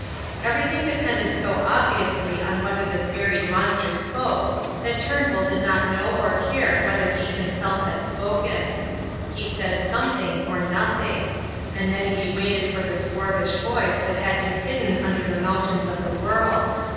Everything depended so obviously upon whether this buried monster spoke that Turnbull did not know or care whether he himself had spoken. He said something or nothing. And then he waited for this dwarfish voice that had been hidden under the mountains of the world.